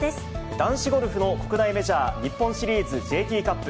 男子ゴルフの国内メジャー、日本シリーズＪＴカップ。